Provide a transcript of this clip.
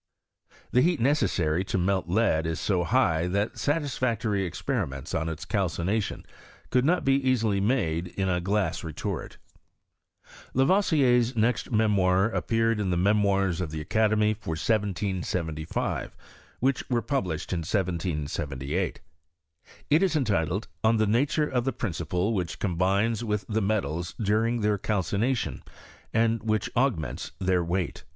The heat necessary to melt lead is so high that satisfactory experiments on its calcination could not easily be made in a glass retort. Lavoisier's next Memoir appeared in the Memoirs ^f£ the Academy, for 1775, which were published in ^778. It is entitled, " On the Nature of the Prin I BISTOa? OF CBKHrSTRT. ciple which combines with the Metals during their Calcination, and whit^h augments their Weight."